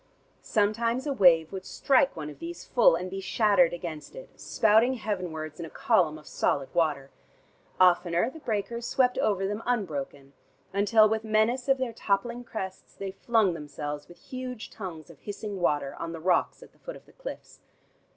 Sometimes a wave would strike one of these full, and be shattered against it, spouting heavenwards in a column of solid water; oftener the breakers swept over them unbroken, until with menace of their toppling crests they flung themselves with huge tongues of hissing water on the rocks at the foot of the cliffs.